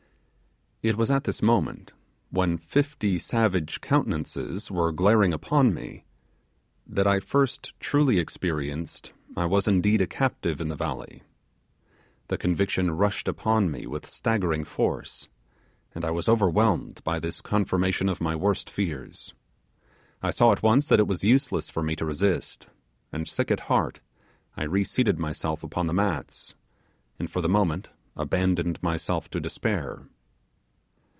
It was at this moment, when fifty savage countenances were glaring upon me, that I first truly experienced I was indeed a captive in the valley. The conviction rushed upon me with staggering force, and I was overwhelmed by this confirmation of my worst fears. I saw at once that it was useless for me to resist, and sick at heart, I reseated myself upon the mats, and for the moment abandoned myself to despair.